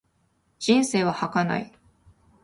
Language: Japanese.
人生は儚い。